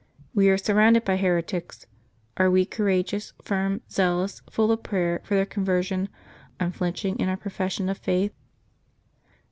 We are sur rounded by heretics. Are we courageous, firm, zealous, full of prayer for their conversion, unflinching in our pro fession of faith?